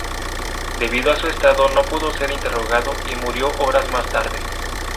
Debido a su estado, no pudo ser interrogado, y murió horas más tarde.